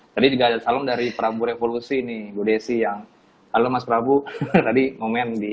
jadi juga ada salam dari prabu revolusi nih bu desi yang halo mas prabu tadi ngomen di